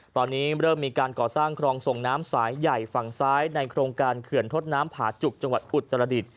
ตอนนี้เริ่มมีการก่อสร้างครองส่งน้ำสายใหญ่ฝั่งซ้ายในโครงการเขื่อนทดน้ำผาจุกจังหวัดอุตรดิษฐ